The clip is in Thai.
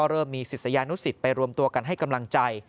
เริ่มมีศิษยานุสิตไปรวมตัวกันให้กำลังใจ